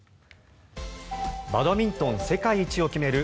バドミントン世界一を決める